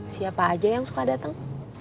siapa aja yang suka datang